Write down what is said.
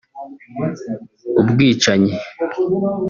Ubwicanyi